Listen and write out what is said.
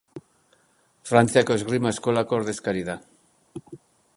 Frantziako esgrima eskolako ordezkari da.